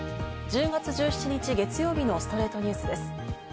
１０月１７日、月曜日の『ストレイトニュース』です。